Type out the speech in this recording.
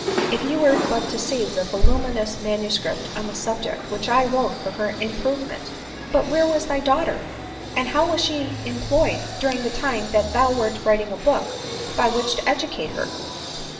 If you were but to see the voluminous manuscript on the sub ject, which I wrote for her improvement "" But where was thy daughter ; and how was she employed during the time that thou wert writing a book by which to educate her